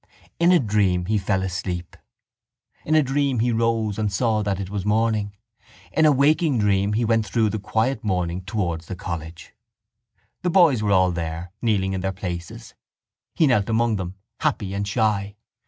In a dream he fell asleep. In a dream he rose and saw that it was morning. In a waking dream he went through the quiet morning towards the college. The boys were all there, kneeling in their places. He knelt among them, happy and shy.